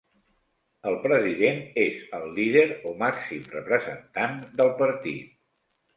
El president és el líder o màxim representant del partit.